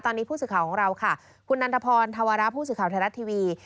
ตอนนี้ผู้สื่อข่าวของเราค่ะคุณนันทพรธวระผู้สื่อข่าวไทยรัฐทีวี